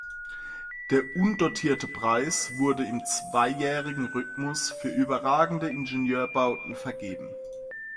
Der undotierte Preis wurde im zweijährigen Rhythmus für überragende Ingenieurbauten vergeben.